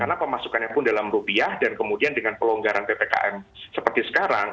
karena pemasukannya pun dalam rupiah dan kemudian dengan pelonggaran ppkm seperti sekarang